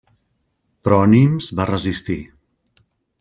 Però Nimes va resistir.